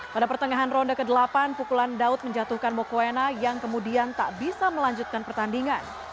pada pertengahan ronde ke delapan pukulan daud menjatuhkan mokuena yang kemudian tak bisa melanjutkan pertandingan